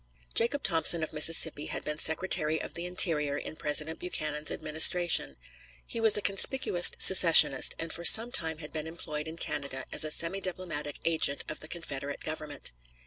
Jacob Thompson, of Mississippi, had been Secretary of the Interior in President Buchanan's administration. He was a conspicuous secessionist, and for some time had been employed in Canada as a semi diplomatic agent of the Confederate Government.